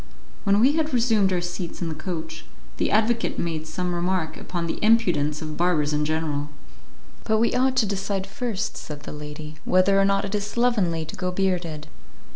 When we had resumed our seats in the coach, the advocate made some remark upon the impudence of barbers in general. "But we ought to decide first," said the lady, "whether or not it is slovenly to go bearded."